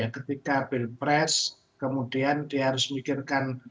ketika belpres kemudian dia harus memikirkan